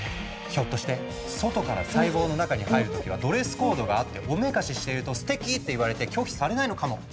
ひょっとして外から細胞の中に入る時はドレスコードがあっておめかししているとすてきって言われて拒否されないのかも。